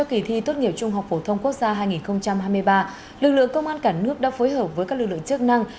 kỳ thi tốt nghiệp trung học phổ thông quốc gia hai nghìn hai mươi ba lực lượng công an cả nước đã phối hợp với các lực lượng chức năng